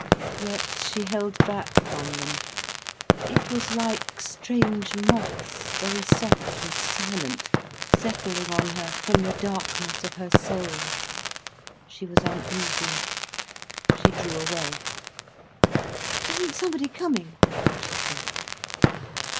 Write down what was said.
Yet she held back from them. It was like strange moths, very soft and silent, settling on her from the darkness of her soul. She was uneasy. She drew away. "Isn't somebody coming?" she said.